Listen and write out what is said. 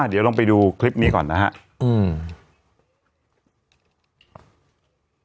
อ่ะเดี๋ยวเราไปดูคลิปนี้ก่อนนะฮะอืม